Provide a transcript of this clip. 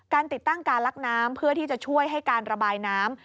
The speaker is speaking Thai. ติดตั้งการลักน้ำเพื่อที่จะช่วยให้การระบายน้ำ